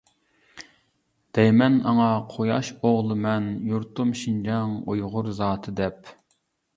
دەيمەن ئاڭا قۇياش ئوغلىمەن، يۇرتۇم شىنجاڭ ئۇيغۇر زاتى دەپ.